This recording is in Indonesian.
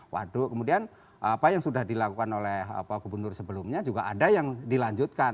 waduk kemudian apa yang sudah dilakukan oleh pak gubernur sebelumnya juga ada yang dilanjutkan